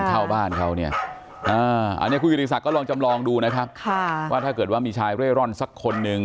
เข้าบ้านเขาเนี่ยอันนี้คุณกิติศักดิ์ลองจำลองดูนะครับว่าถ้าเกิดว่ามีชายเร่ร่อนสักคนนึง